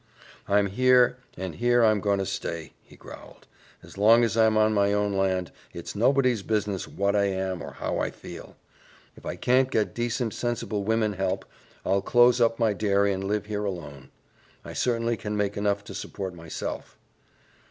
"I'm here, and here I'm going to stay," he growled. "As long as I'm on my own land, it's nobody's business what I am or how I feel. If I can't get decent, sensible women help, I'll close up my dairy and live here alone. I certainly can make enough to support myself."